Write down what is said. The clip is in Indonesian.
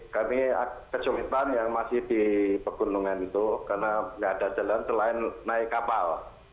kami kesulitan yang masih di pegunungan itu karena nggak ada jalan selain naik kapal